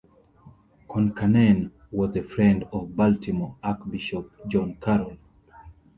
Concanen was a friend of Baltimore Archbishop John Carroll.